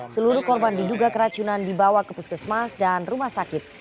seluruh korban diduga keracunan dibawa ke puskesmas dan rumah sakit